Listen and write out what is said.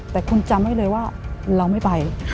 แต่คุณจำไว้เลยว่าเราไม่ไป